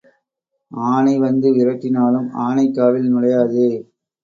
ஆனை வந்து விரட்டினாலும் ஆனைக் காவில் நுழையாதே.